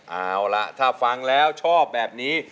เอาล่ะถ้าฟังแล้วชอบแบบนี้